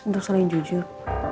untuk selain jujur